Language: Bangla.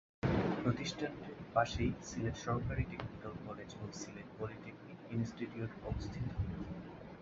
প্রতিষ্ঠানটির পাশেই সিলেট সরকারি টেকনিক্যাল কলেজ ও সিলেট পলিটেকনিক ইনস্টিটিউট অবস্থিত।